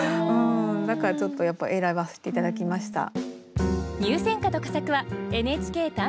だからちょっとやっぱ選ばせて頂きました。